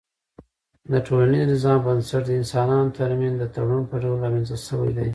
د ټولنيز نظام بنسټ د انسانانو ترمنځ د تړون په ډول رامنځته سوی دی